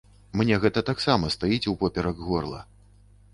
Мне гэта таксама стаіць упоперак горла.